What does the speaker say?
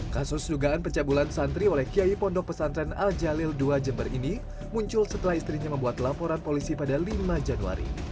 kasus dugaan pencabulan santri oleh kiai pondok pesantren al jalil ii jember ini muncul setelah istrinya membuat laporan polisi pada lima januari